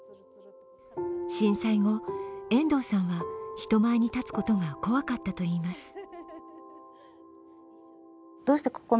震災後、遠藤さんは人前に立つことが怖かったといいます。